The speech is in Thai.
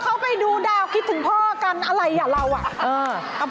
เขาไปดูดาวคิดถึงพ่อกันอะไรอ่ะเราอ่ะ